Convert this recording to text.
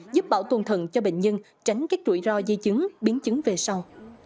giúp bảo tồn thận cho bệnh nhân tránh các rủi ro di chứng biến chứng về sau